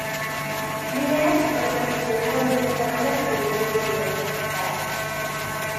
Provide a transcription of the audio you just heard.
Lidera su propia oficina donde desarrolla proyectos de diversas escalas.